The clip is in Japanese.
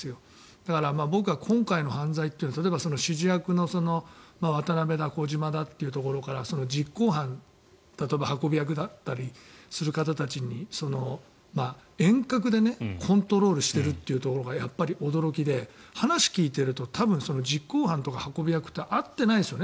だから僕は今回の犯罪というのは例えば指示役の渡邉だ小島だというところから実行犯例えば運び役だったりする方たちを遠隔でコントロールしてるというところがやっぱり驚きで話を聞いていると多分実行犯とか指示役は会ってないんですよね。